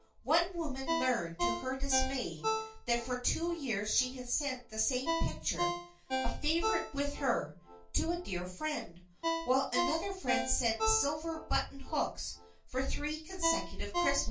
One woman learned to her dismay that for two years she had sent the same picture—a favorite with her—to a dear friend, while another sent a friend silver button hooks for three consecutive Christmases.